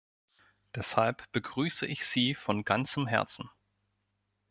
Deshalb begrüße ich sie von ganzem Herzen.